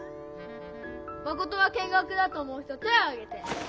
マコトは見学だと思う人手をあげて！